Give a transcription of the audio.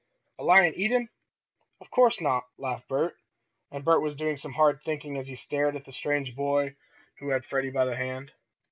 "A lion eat him? Of course not!" laughed Bert. And Bert was doing some hard thinking as he stared at the strange boy who had Freddie by the hand.